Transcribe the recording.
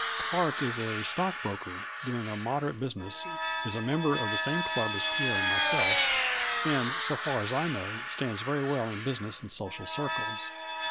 Clark is a stock broker, doing a moderate business, is a member of the same club as Pierre and myself, and, so far as I know, stands very well in business and social circles.